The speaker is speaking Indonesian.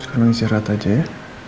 sekarang istirahat aja ya